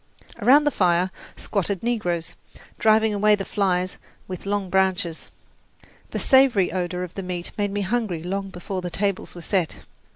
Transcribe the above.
Around the fire squatted negroes, driving away the flies with long branches. The savoury odour of the meat made me hungry long before the tables were set.